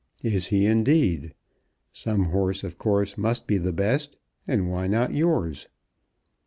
"Is he, indeed? Some horse of course must be the best, and why not yours?"